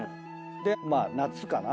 でまあ夏かな？